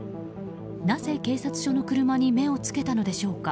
なぜ警察署の車に目を付けたのでしょうか。